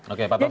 oke pak taufik